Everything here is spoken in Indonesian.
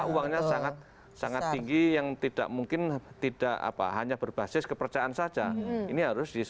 uangnya sangat sangat tinggi yang tidak mungkin tidak hanya berbasis kepercayaan saja ini harus